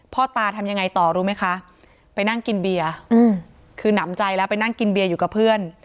พ่อตาทำยังไงต่อรู้ไหมคะไปนั่งกินเบียร์คือหนำใจแล้วไปนั่งกินเบียร์อยู่กับเพื่อน